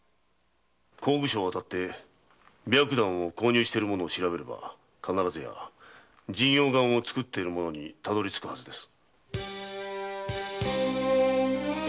香具商を当たって白檀を購入している者を調べれば必ずや神陽丸を作っている者にたどりつくはずです。